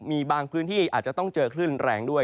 มีบางพื้นที่อาจจะต้องเจอคลื่นแรงด้วย